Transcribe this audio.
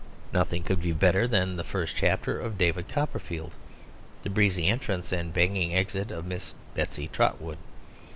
Nothing could be better than the first chapter of David Copperfield; the breezy entrance and banging exit of Miss Betsy Trotwood.